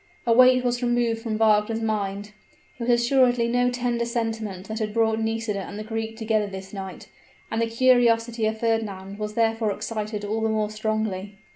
A weight was removed from Wagner's mind: it was assuredly no tender sentiment that had brought Nisida and the Greek together this night; and the curiosity of Fernand was therefore excited all the more strongly.